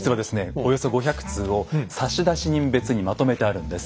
およそ５００通を差出人別にまとめてあるんです。